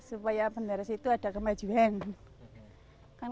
supaya penderes itu ada kemajuan